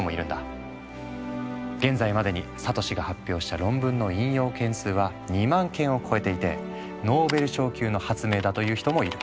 現在までにサトシが発表した論文の引用件数は２万件を超えていてノーベル賞級の発明だという人もいる。